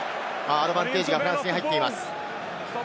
アドバンテージがフランスに入っています。